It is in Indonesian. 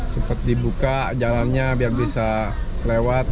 seperti buka jalannya biar bisa lewat